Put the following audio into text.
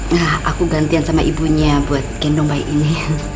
jadi aku gantian sama ibunya buat gendong bayi ini